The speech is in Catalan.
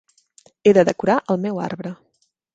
He de decorar el meu arbre.